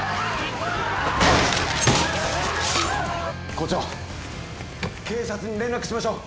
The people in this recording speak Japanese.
校長警察に連絡しましょう！